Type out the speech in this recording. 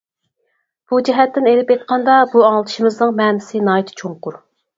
بۇ جەھەتتىن ئېلىپ ئېيتقاندا بۇ ئاڭلىتىشىمىزنىڭ مەنىسى ناھايىتى چوڭقۇر.